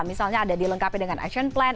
misalnya ada dilengkapi dengan action plan